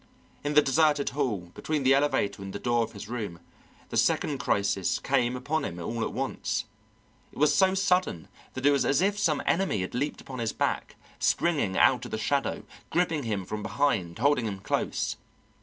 In the deserted hall, between the elevator and the door of his room, the second crisis came upon him all at once. It was so sudden that it was as if some enemy had leaped upon his back, springing out of the shadow, gripping him from behind, holding him close.